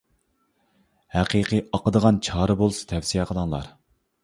ھەقىقىي ئاقىدىغان چارە بولسا تەۋسىيە قىلىڭلار.